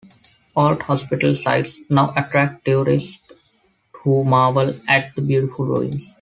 Old hospital sites now attract tourists, who marvel at the beautiful ruins.